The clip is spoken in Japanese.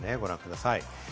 ご覧ください。